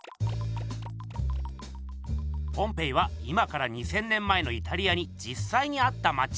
ポンペイは今から２，０００年前のイタリアにじっさいにあったまち。